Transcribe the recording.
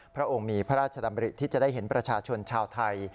พระองค์มีพระราชดำริที่จะได้เห็นประชาชนชาวไทย